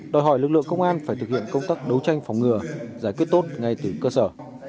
đòi hỏi lực lượng công an phải thực hiện công tác đấu tranh phòng ngừa giải quyết tốt ngay từ cơ sở